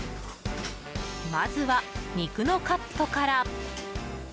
まずは肉のカットから。